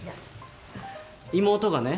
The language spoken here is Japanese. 妹がね